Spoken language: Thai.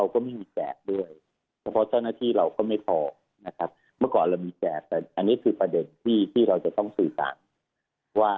ก็คือประมาณ๓๐กว่าไม่ให้มีกระตา